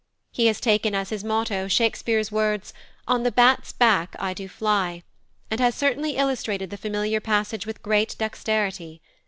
He has taken as his motto Shakespeare's words, "On the bat's back I do fly," and has certainly illustrated the familiar passage with great dexterity.